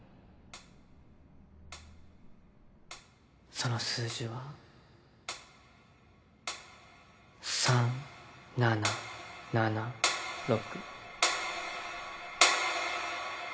その数字は３７７６。